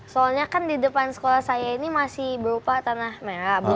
soalnya kan di depan sekolah saya ini masih berupa tanah merah